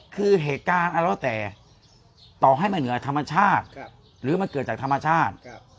คือเหตุการณ์เอาแล้วแต่ต่อให้มันเหนือธรรมชาติหรือมันเกิดจากธรรมชาติ